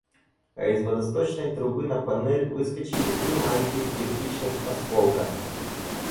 А из водосточной трубы на панель выскочили три маленьких кирпичных осколка.